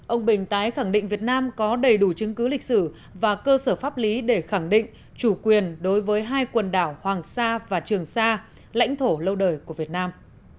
ông bình tái khẳng định việt nam có đầy đủ chứng cứ lịch sử và cơ sở pháp lý để khẳng định chủ quyền đối với hai quần đảo hoàng sa và trường sa lãnh thổ lâu đời của việt nam